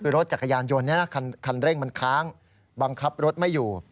รถจักรยานยนต์คันเร่งมันค้างบังคับรถไม่อยู่